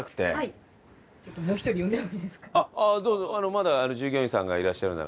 まだ従業員さんがいらっしゃるなら。